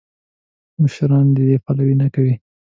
مشران دې پلوي نه کوي.